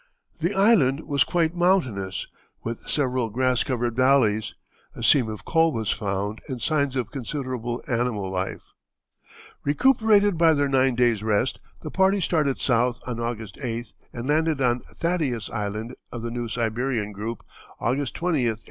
The island was quite mountainous, with several grass covered valleys; a seam of coal was found and signs of considerable animal life. [Illustration: Where the Bodies were Found.] Recuperated by their nine days' rest, the party started south on August 8th, and landed on Thaddeus Island, of the New Siberian group, August 20, 1881.